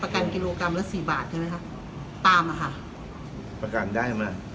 กันกิโลกรัมละสี่บาทใช่ไหมคะตามอะค่ะประกันได้มา